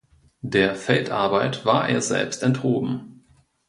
Der Feldarbeit war er selbst enthoben.